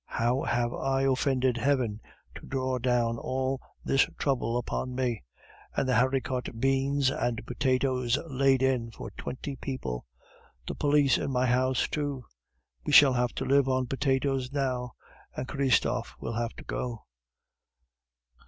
How have I offended heaven to draw down all this trouble upon me? And haricot beans and potatoes laid in for twenty people! The police in my house too! We shall have to live on potatoes now, and Christophe will have to go!"